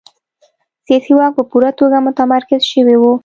سیاسي واک په پوره توګه متمرکز شوی و.